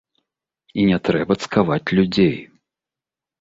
І не трэба цкаваць людзей.